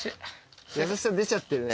優しさ出ちゃってるね。